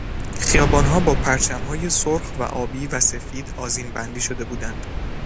خیابانها با پرچمهای سرخ و آبی و سفید آذینبندی شده بودند.